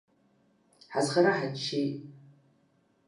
Ҳазхара ҳаччеит.